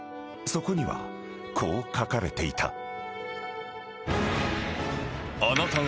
［そこにはこう書かれていた］